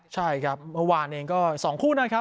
ใช่ครับเมื่อวานเองก็๒คู่นะครับ